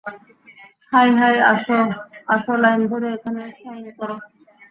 High - hi আসো, আসো, line ধরে এখানে সাইন করো।